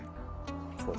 そうです